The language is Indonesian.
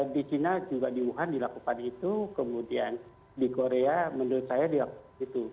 di china juga di wuhan dilakukan itu kemudian di korea menurut saya di waktu itu